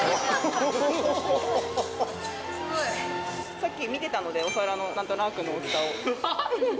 さっき見てたので、お皿の、なんとなくの大きさを。